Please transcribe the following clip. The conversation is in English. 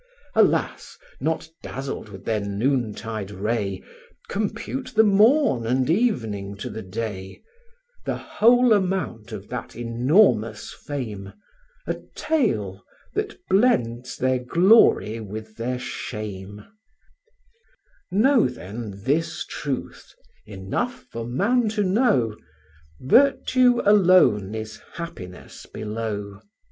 Alas! not dazzled with their noontide ray, Compute the morn and evening to the day; The whole amount of that enormous fame, A tale, that blends their glory with their shame; Know, then, this truth (enough for man to know) "Virtue alone is happiness below."